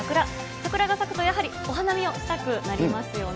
桜が咲くと、やはりお花見をしたくなりますよね。